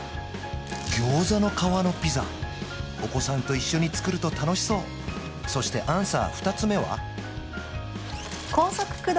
餃子の皮のピザお子さんと一緒に作ると楽しそうそしてアンサー２つ目は？